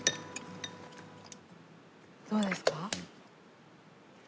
どうですか？